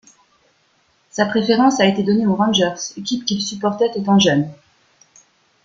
Sa préférence a été donnée aux Rangers, équipe qu'il supportait étant jeune.